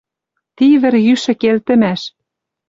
Ти вӹрйӱшӹ келтӹмӓш.